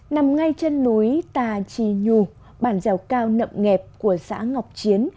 nằm ngay trên núi tà trì nhu bản dèo cao nậm nghẹp của xã ngọc chiến